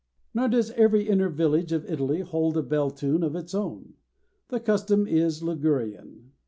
Nor does every inner village of Italy hold a bell tune of its own; the custom is Ligurian.